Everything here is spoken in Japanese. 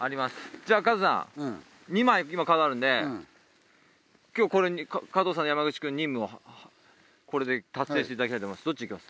じゃあ加藤さん２枚今カードあるんで今日加藤さんと山口くん任務をこれで達成していただきたいと思います